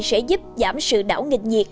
sẽ giúp giảm sự đảo nghịch nhiệt